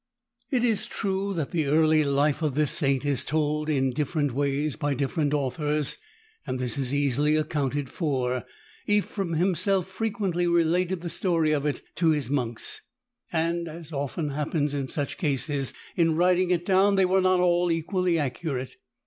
It is true that the early life of this Saint is told in different ways by different authors, and this is easily accounted for. Ephrem himself frequently related the story of it to his monks and, as often happens in such cases, in writing it down they were not all equally accurate.